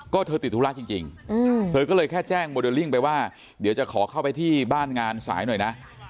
ก็เธอติดธุระจริงเธอก็เลยแค่แจ้งโมเดลลิ่งไปว่าเดี๋ยวจะขอเข้าไปที่บ้านงานสายหน่อยนะ